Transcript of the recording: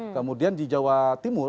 kemudian di jawa timur